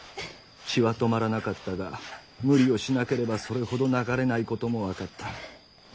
血は止まらなかったが無理をしなければそれほど流れないことも分かった。